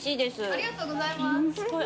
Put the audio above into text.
ありがとうございます。